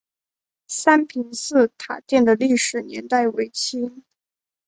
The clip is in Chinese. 三平寺塔殿的历史年代为清。